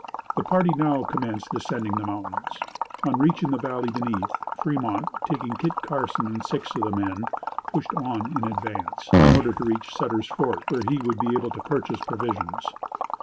The party now commenced descending the mountains. On reaching the valley beneath, Fremont, taking Kit Carson and six of the men, pushed on in advance, in order to reach Sutter's Fort, where he would be able to purchase provisions.